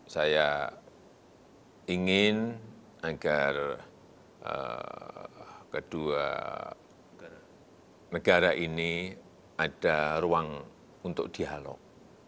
saya ingin agar kedua negara ini ada ruang untuk dialog